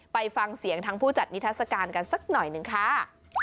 ไปฟังเสียงทั้งผู้จัดนิทัศกาลกันสักหน่อยหนึ่งค่ะ